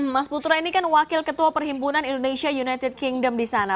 mas putra ini kan wakil ketua perhimpunan indonesia united kingdom di sana